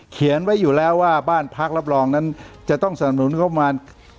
เขียนไว้อยู่แล้วว่าบ้านพักรับรองนั้นจะต้องสนับหนุนงบประมาณ